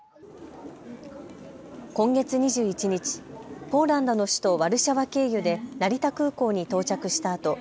今月２１日、ポーランドの首都ワルシャワ経由で成田空港に到着したあと